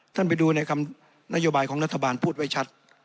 ไปดูในคำนโยบายของรัฐบาลพูดไว้ชัด